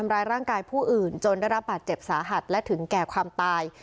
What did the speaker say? ทำร้ายร่างกายผู้อื่นจนได้รับบาดเจ็บสาหัสและถึงแก่ความตาย